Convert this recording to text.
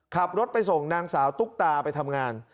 ขับรถไปส่งนางสาวตุ๊กตาไปทำงาน